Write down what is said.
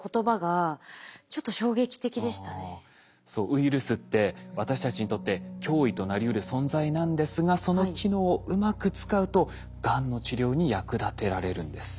ウイルスって私たちにとって脅威となりうる存在なんですがその機能をうまく使うとがんの治療に役立てられるんです。